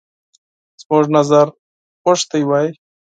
زموږ نظر غوښتی وای.